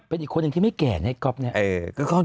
เป็นอีกคนหนึ่งที่ไม่แก่นะก๊อฟเนี่ย